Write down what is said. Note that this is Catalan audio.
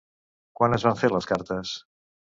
Quan es van fer les cartes?